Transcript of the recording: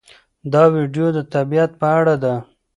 دا ویډیو د طبیعت په اړه ده.